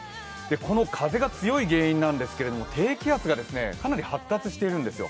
この風が強い原因なんですけれども低気圧がかなり発達してるんですよ。